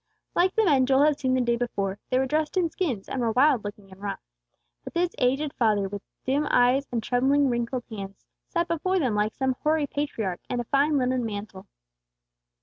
Like the men Joel had seen the day before, they were dressed in skins, and were wild looking and rough. But this aged father, with dim eyes and trembling wrinkled hands, sat before them like some hoary patriarch, in a fine linen mantle.